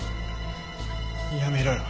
やめろよ。